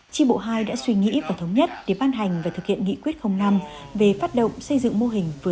tri bộ hai đã suy nghĩ và thống nhất để ban hành và thực hiện nghị quyết năm về phát động xây dựng mô hình vườn xâm tri bộ